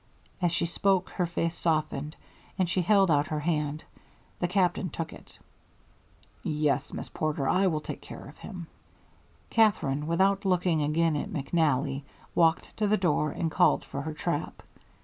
As she spoke her face softened, and she held out her hand. The Captain took it. "Yes, Miss Porter, I will take care of him." Katherine, without looking again at McNally, walked to the door and called for her trap.